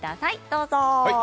どうぞ。